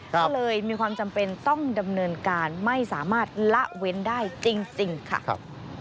ก็เลยมีความจำเป็นต้องดำเนินการไม่สามารถละเว้นได้จริงค่ะ